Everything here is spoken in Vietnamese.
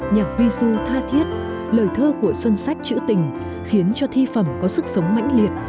nhạc huy du tha thiết lời thơ của xuân sách chữ tình khiến cho thi phẩm có sức sống mãnh liệt